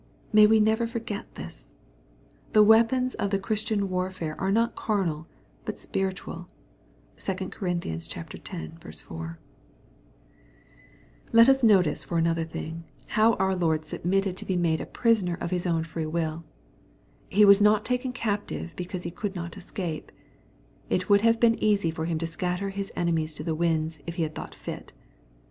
May we never forget this ! The weapons of the Christian warfare are not carnal, but spiritualT (2 Cor, X. 4) Let us notice for another thing, ^oui our Lord submitted HATTHEW, CHAP. XXYX. 369 to be made a prisoner of His own free mil./ He was not taken captive because he could not escape. It would have been easy for Him to scatter His enemies to the winds, if he had thought fit.